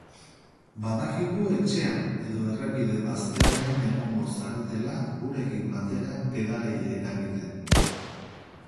Badakigu etxean edo errepide bazterrean egongo zaretela gurekin batera pedalei reagiten.